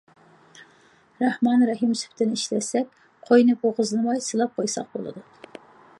رەھمان، رەھىم سۈپىتىنى ئىشلەتسەك قوينى بوغۇزلىماي سىلاپ قويساق بولىدۇ.